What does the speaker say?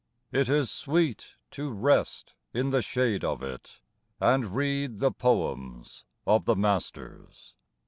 It is sweet to rest in the shade of it And read the poems of the masters.